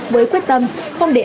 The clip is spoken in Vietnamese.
với quyết tâm không để